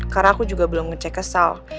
karena aku juga belum ngecek ke sal